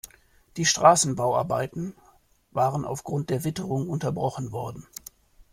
Die Straßenbauarbeiten waren aufgrund der Witterung unterbrochen worden.